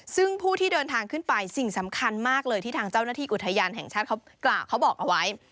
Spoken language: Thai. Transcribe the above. ซึ่งผู้ที่เดินทางขึ้นไปสิ่งสำคัญมากเลยที่ทางเจ้าหน้าที่อุทยานแห่งชาติเขากล่าวเขาบอกเอาไว้